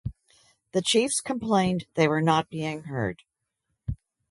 The chiefs complained they were not being heard.